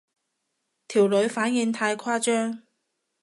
條女反應太誇張